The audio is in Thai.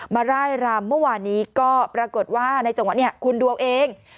ร่ายรำเมื่อวานนี้ก็ปรากฏว่าในจังหวะนี้คุณดูเอาเอง